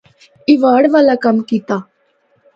ایوارڈ والا کم کیتا۔